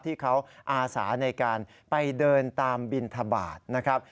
ที่เขาอาสาในการไปเดินตามบินทบาทนะครับ